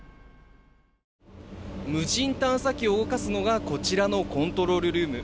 無人探査機を動かすのがこちらのコントロールルーム。